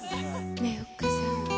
「ねえおっ母さん」